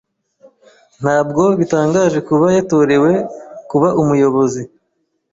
Ntabwo bitangaje kuba yatorewe kuba umuyobozi.